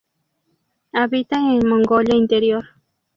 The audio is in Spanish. Habita en Mongolia Interior.